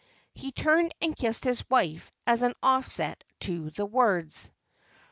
He turned and kissed his wife as an offset to the words.